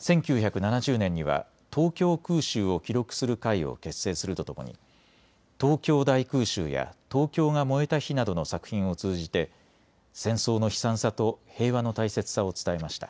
１９７０年には東京空襲を記録する会を結成するとともに東京大空襲や東京が燃えた日などの作品を通じて戦争の悲惨さと平和の大切さを伝えました。